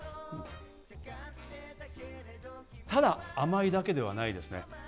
ただ甘いだけではないですね。